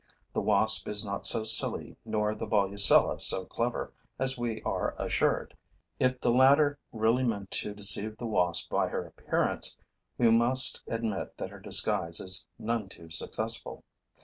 The wasp is not so silly nor the Volucella so clever as we are assured. If the latter really meant to deceive the Wasp by her appearance, we must admit that her disguise is none too successful.